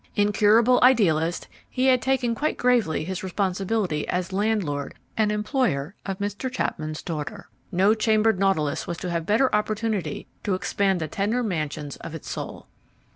Incurable idealist, he had taken quite gravely his responsibility as landlord and employer of Mr. Chapman's daughter. No chambered nautilus was to have better opportunity to expand the tender mansions of its soul.